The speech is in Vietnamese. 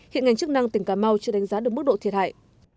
hiện ngành chức năng tỉnh cà mau chưa đánh giá được mức độ thiệt hại